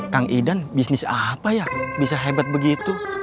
kang idan bisnis apa ya bisa hebat begitu